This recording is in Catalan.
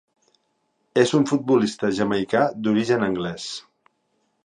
És un futbolista jamaicà d'origen anglès.